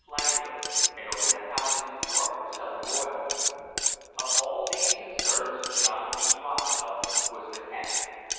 Flagler, and opened a house in New York for selling oil. Of all these concerns John D. Rockefeller was the head.